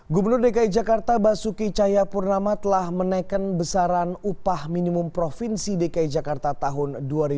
gubernur dki jakarta basuki cahayapurnama telah menaikkan besaran upah minimum provinsi dki jakarta tahun dua ribu dua puluh